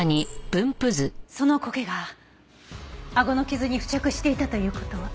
その苔が顎の傷に付着していたという事は。